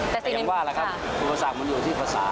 แต่ยังว่าล่ะครับอุปสรรคมันอยู่ที่ภาษา